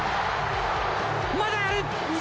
まだある！